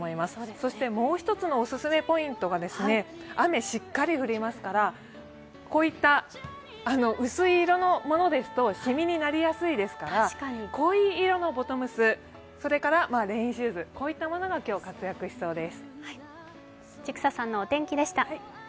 そしてもう一つのオススメポイントが、雨しっかり降りますから、こういった薄い色のものですとしみになりやすいですから、濃い色のボトムス、レインシューズこういったものが今日活躍しそうです。